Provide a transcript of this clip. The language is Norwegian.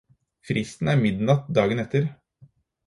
Fristen er midnatt dagen etter.